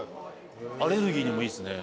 アレルギーにもいいですね。